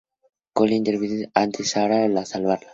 Cole intercede ante el Shah para salvarla.